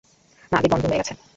না, গেট বন্ধ হয়ে গেছে।